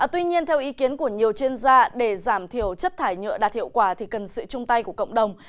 tuy nhiên theo ý kiến của nhiều chuyên gia để giảm thiểu chất thải nhựa đạt hiệu quả thì cần sự chung tay của cộng đồng